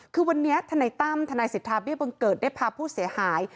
คือวันนี้ทนายตั้มทนายสิทธาเบี้ยบังเกิดได้พาผู้เสียหาย